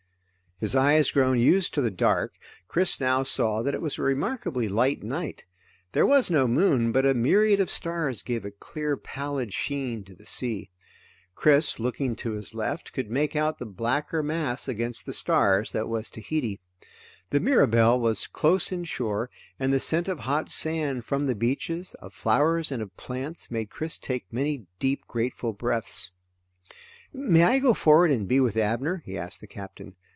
His eyes grown used to the dark, Chris now saw that it was a remarkably light night. There was no moon, but a myriad of stars gave a clear pallid sheen to the sea. Chris, looking to his left, could make out the blacker mass against the stars that was Tahiti. The Mirabelle was close inshore, and the scent of hot sand from the beaches, of flowers and of plants, made Chris take many deep grateful breaths. "May I go forward and be with Abner?" he asked the Captain.